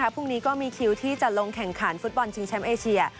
พรุ่งนี้ก็มีคิวที่จะลงแข่งขันฟุตบอลชิงแชมป์เอเชีย